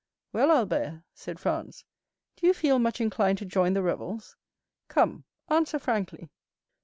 "Well, Albert," said Franz, "do you feel much inclined to join the revels? Come, answer frankly."